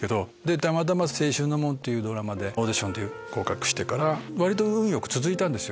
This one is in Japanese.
たまたま『青春の門』ってドラマでオーディション合格してから割と運良く続いたんですよ